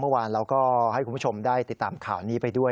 เมื่อวานเราก็ให้คุณผู้ชมได้ติดตามข่าวนี้ไปด้วย